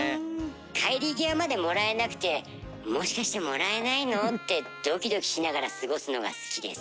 帰り際までもらえなくて「もしかしてもらえないの？」ってドキドキしながら過ごすのが好きです。